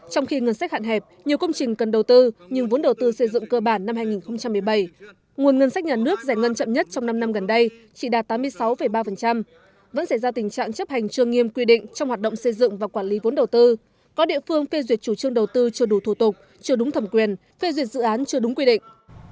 trong khi ngân sách hạn hẹp nhiều công trình cần đầu tư nhưng vốn đầu tư xây dựng cơ bản năm hai nghìn một mươi bảy nguồn ngân sách nhà nước giải ngân chậm nhất trong năm năm gần đây chỉ đạt tám mươi sáu ba vẫn xảy ra tình trạng chấp hành chưa nghiêm quy định trong hoạt động xây dựng và quản lý vốn đầu tư có địa phương phê duyệt chủ trương đầu tư chưa đủ thủ tục chưa đúng thẩm quyền phê duyệt dự án chưa đúng quy định